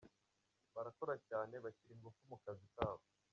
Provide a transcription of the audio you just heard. Barakora cyane, bashyira ingufu mu kazi kabo.